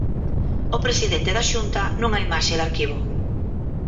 O presidente da Xunta nunha imaxe de arquivo.